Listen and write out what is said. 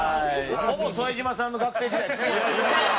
ほぼ副島さんの学生時代ですね。